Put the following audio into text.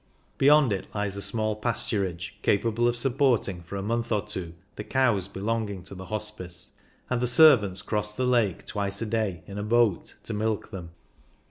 Beyond it lies a small pasturage, capable of supporting for a month or two the cows belonging to the Hospice, and the servants cross the lake twice a day, in a boat, to milk them.